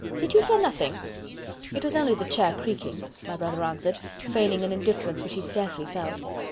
Did you hear nothing?" "It was only the chair creaking," my brother answered, feigning an indifference which he scarcely felt.